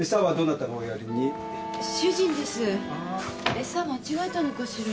エサ間違えたのかしら。